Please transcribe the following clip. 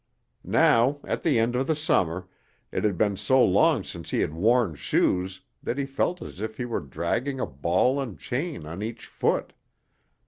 Now, at the end of the summer, it had been so long since he had worn shoes that he felt as if he were dragging a ball and chain on each foot.